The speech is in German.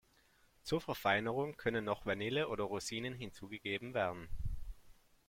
Zur Verfeinerung können noch Vanille oder Rosinen hinzugegeben werden.